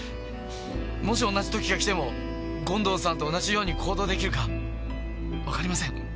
もし同じ時がきても権藤さんと同じように行動出来るかわかりません。